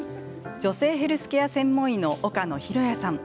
女性ヘルスケア専門医の岡野浩哉さん。